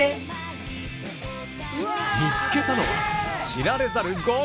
見つけたのは知られざるうわ！